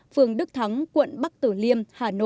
phường đức thắng quận bắc từ liêm